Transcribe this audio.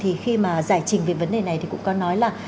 thì khi mà giải trình về vấn đề này thì cũng có nói là